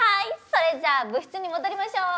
それじゃ部室に戻りましょう。